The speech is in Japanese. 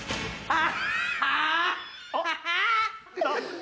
あっ！